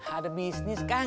ada bisnis kang